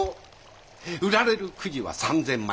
売られるくじは３，０００枚。